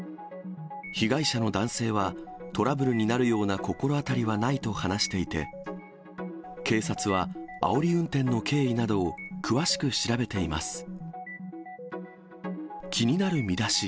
被害者の男性は、トラブルになるような心当たりはないと話していて、警察は、あおり運転の経緯などを詳しく調べています。